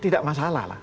tidak masalah lah